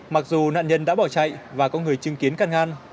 mặc dù nạn nhân đã bỏ chạy và có người chứng kiến căn ngăn